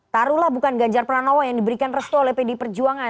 taruhlah bukan ganjar pranowo yang diberikan restu oleh pd perjuangan